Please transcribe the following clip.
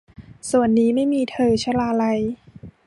สวรรค์นี้ไม่มีเธอ - ชลาลัย